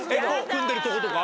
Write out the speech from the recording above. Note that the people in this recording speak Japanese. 組んでるとことか？